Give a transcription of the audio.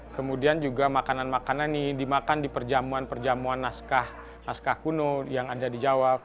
kemudian juga makanan makanan ini dimakan di perjamuan perjamuan naskah naskah kuno yang ada di jawa